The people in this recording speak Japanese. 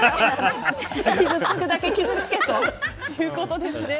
傷つくだけ傷つけということですね。